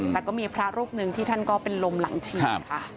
แต่ก็มีพระรูปหนึ่งที่ท่านก็เป็นลมหลังฉีดค่ะ